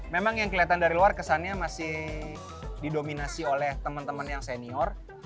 memang yang kelihatan dari luar kesannya masih didominasi oleh teman teman yang senior